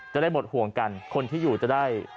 จะได้หมดห่วงกันคนที่อยู่จะได้